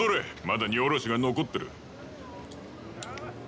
まだ荷下ろしが残ってる。